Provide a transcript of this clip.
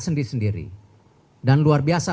sendiri sendiri dan luar biasa